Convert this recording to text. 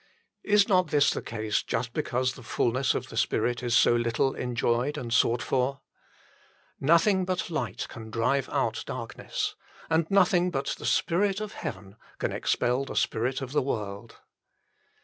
Is not this the case just because the fulness of the Spirit is so little enjoyed and sought for ? Nothing but light can drive out darkness ; and nothing but the Spirit of heaven can expel the spirit of the world.